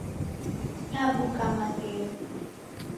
Nabuka Maghegho.